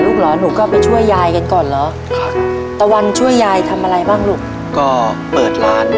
ทับผลไม้เยอะเห็นยายบ่นบอกว่าเป็นยังไงครับ